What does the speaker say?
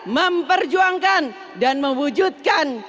memperjuangkan dan mewujudkan